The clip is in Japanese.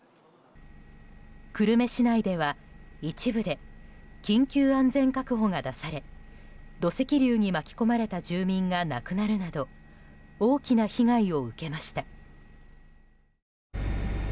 久留米市内では一部で、緊急安全確保が出され土石流に巻き込まれた住民が亡くなるなど大きな被害を受けました。